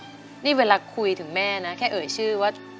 อเรนนี่นี่เวลาคุยถึงแม่นะแค่เอ๋ยชื่อว่า